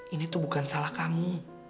ini tuh bukan salah kamu